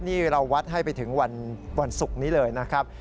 นี่เราวัดให้ไปถึงวันศุกร์นี้เลยนะครับ